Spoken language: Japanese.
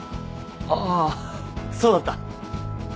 ああそうだった。